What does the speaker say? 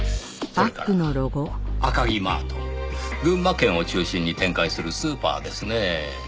群馬県を中心に展開するスーパーですねぇ。